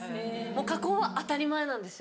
もう加工は当たり前なんですよ。